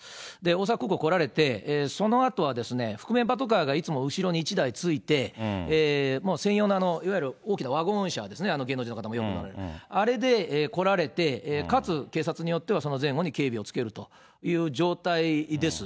大阪空港来られて、そのあとは、覆面パトカーがいつも後ろに１台付いて、もう専用のいわゆる大きなワゴン車ですね、芸能人の方もよく、あれで来られて、かつ警察によっては、その前後に警備を付けるという状態です。